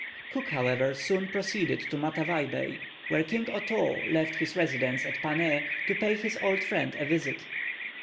Cook, however, soon proceeded to Matavai Bay, where King Otoo left his residence at Pané, to pay his old friend a visit.